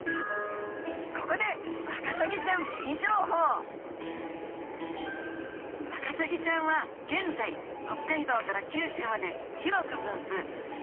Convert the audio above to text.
ここでワカサギちゃんミニ情報ワカサギちゃんは現在北海道から九州まで広く分布。